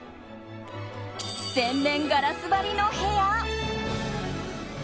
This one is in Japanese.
全面ガラス張りの部屋。